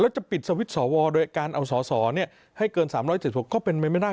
แล้วจะปิดสวิตช์สวโดยการเอาสอสอให้เกิน๓๗๖ก็เป็นไปไม่ได้